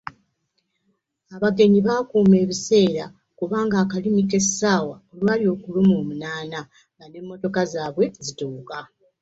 Abagenyi baakuuma ebiseera kuba akalimi k'essaawa olwali okuluma munaana nga n'emmotoka zaabwe zituuka.